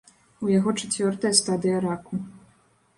У яго чацвёртая стадыя раку.